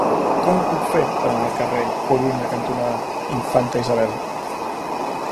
Com ho puc fer per anar al carrer Corunya cantonada Infanta Isabel?